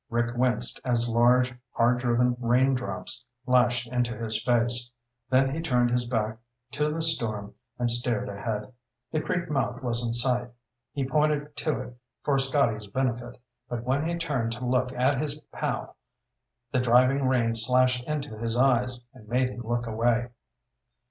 Rick winced as large, hard driven raindrops lashed into his face, then he turned his back to the storm and stared ahead. The creek mouth was in sight. He pointed to it for Scotty's benefit, but when he turned to look at his pal, the driving rain slashed into his eyes and made him look away.